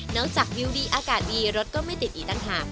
จากวิวดีอากาศดีรถก็ไม่ติดอีกต่างหาก